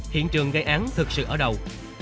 hiện trường gây án thực sự ở đâu